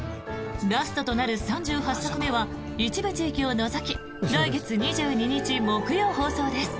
ラストとなる３８作目は一部地域を除き来月２２日、木曜放送です。